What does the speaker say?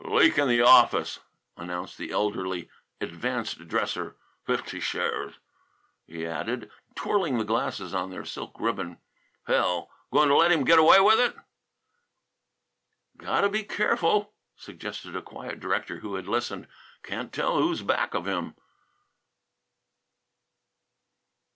"Leak in the office," announced the elderly advanced dresser. "Fifty shares!" he added, twirling the glasses on their silk ribbon. "Hell! Going to let him get away with it?" "Got to be careful," suggested a quiet director who had listened. "Can't tell who's back of him."